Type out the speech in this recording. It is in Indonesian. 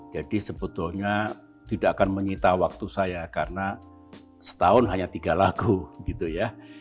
jadi sebetulnya tidak akan menyita waktu saya karena setahun hanya tiga lagu gitu ya